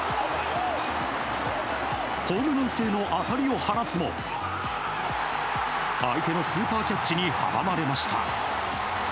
ホームラン性の当たりを放つも相手のスーパーキャッチに阻まれました。